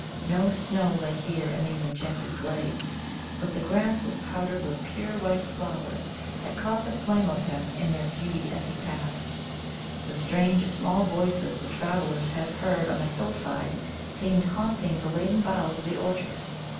No snow lay here in these enchanted glades, but the grass was powdered with pure white flowers that caught the flame of him in their beauty as he passed. The strange small voices the travellers had heard on the hillside seemed haunting the laden boughs of the orchard.